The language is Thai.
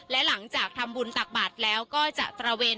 และหลังจากทำบุญตักบาทแล้วก็จะตระเวน